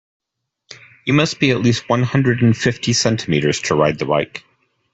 You must be at least one hundred and fifty centimeters to ride the bike.